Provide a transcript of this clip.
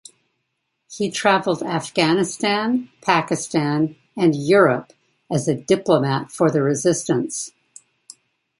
He traveled Afghanistan, Pakistan and Europe as a diplomat for the resistance.